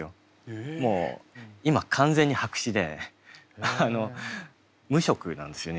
もう今完全に白紙で無色なんですよね